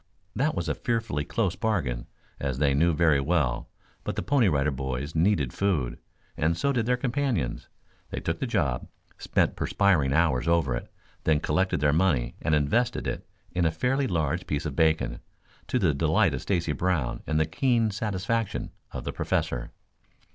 That was a fearfully close bargain, as they knew very well, but the Pony Rider Boys needed food, and so did their companions. They took the job, spent perspiring hours over it, then collected their money, and invested it in a fairly large piece of bacon, to the delight of Stacy Brown and the keen satisfaction of the Professor.